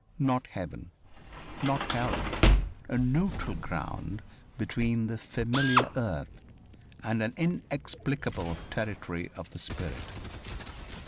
Not heaven. Not hell. A neutral ground between the familiar earth and an inexplicable territory of the spirit.